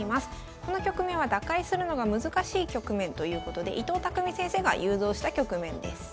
この局面は打開するのが難しい局面ということで伊藤匠先生が誘導した局面です。